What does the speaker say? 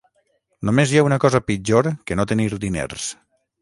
Només hi ha una cosa pitjor que no tenir diners.